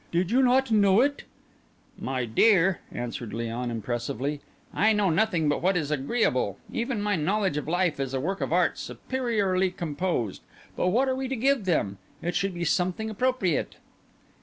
"Did you not know it?" "My dear," answered Léon impressively, "I know nothing but what is agreeable. Even my knowledge of life is a work of art superiorly composed. But what are we to give them? It should be something appropriate."